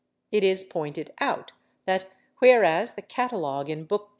It is pointed out, that, whereas the Catalogue in Book II.